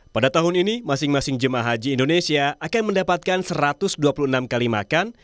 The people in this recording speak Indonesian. pada tahun ini masing masing jemaah haji indonesia akan mendapatkan satu ratus dua puluh enam kali makan